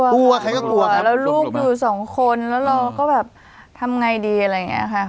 กลัวใครก็กลัวแล้วลูกอยู่สองคนแล้วเราก็แบบทำไงดีอะไรอย่างเงี้ยค่ะ